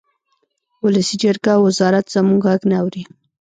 ولسي جرګه او وزارت زموږ غږ نه اوري